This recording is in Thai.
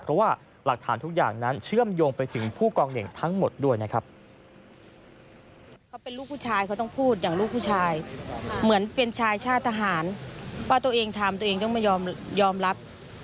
เพราะว่าหลักฐานทุกอย่างนั้นเชื่อมโยงไปถึงผู้กองเหน่งทั้งหมดด้วยนะครับ